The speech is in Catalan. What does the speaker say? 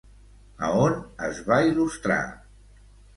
A on es va il·lustrar?